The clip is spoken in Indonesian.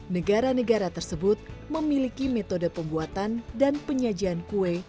negara negara tersebut memiliki metode pembuatan dan penyajian kue